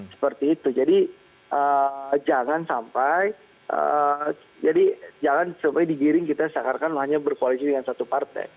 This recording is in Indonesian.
seperti itu jadi jangan sampai digiring kita sejak kan hanya berkoalisi dengan satu partai